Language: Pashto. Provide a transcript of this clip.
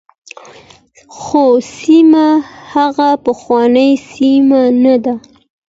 خو سیمه هغه پخوانۍ سیمه نه ده.